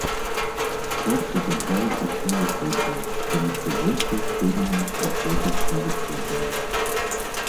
Спорт забраў усе выходныя, таму што большасць гульняў праходзіць на выходныя.